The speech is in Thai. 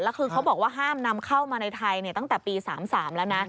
แล้วคือเขาบอกว่าห้ามนำเข้ามาในไทยตั้งแต่ปี๓๓แล้วนะ